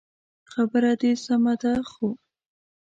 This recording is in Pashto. خبره دي سمه ده خو